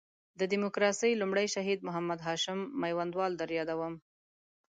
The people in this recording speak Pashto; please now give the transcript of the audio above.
د ډیموکراسۍ لومړی شهید محمد هاشم میوندوال در یادوم.